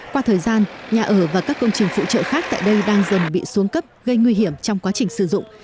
qua thời gian nhà ở và các công trình phụ trợ khác tại đây đang dần bị xuống cấp gây nguy hiểm trong quá trình sử dụng